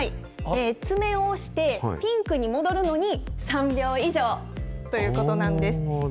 爪を押して、ピンクに戻るのに３秒以上ということなんです。